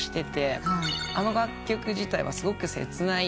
あの楽曲自体はすごく切ない。